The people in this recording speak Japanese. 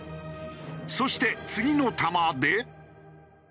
そして次の球で。